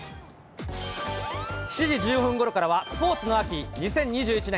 ７時１５分ごろからはスポーツの秋、２０２１年